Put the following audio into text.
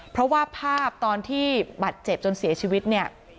เพราะว่าภาพตอนที่บัตรเจ็บจนเสียชีวิตเนี่ย